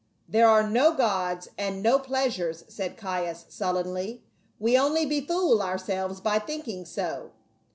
"There are no gods and no pleasures," said Caius, sullenly. " We only befool ourselves by thinking so."